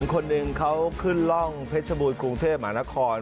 คนหนึ่งเขาขึ้นร่องเพชรบูรกรุงเทพหมานคร